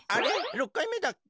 ６回目だっけ。